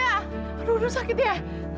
aduh sakit ya